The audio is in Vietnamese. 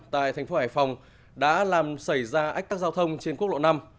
tại thành phố hải phòng đã làm xảy ra ách tắc giao thông trên quốc lộ năm